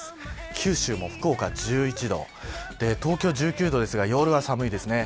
九州も福岡１１度東京１９度ですが夜は寒いですね。